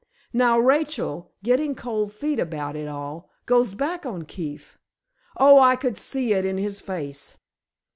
Now, Rachel, getting cold feet about it all, goes back on Keefe—oh, I could see it in his face!"